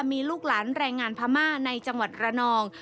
มีลูกหลานแรงงานพม่าในจังหวัดระนอง